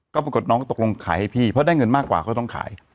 ก็ปรากฏน้องก็ตกลงขายให้พี่เพราะได้เงินมากกว่าเขาต้องขาย